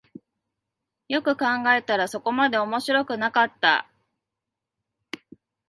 よく考えたらそこまで面白くなかった